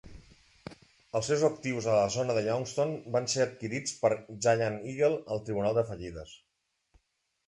Els seus actius a la zona de Youngstown van ser adquirits per Giant Eagle al tribunal de fallides.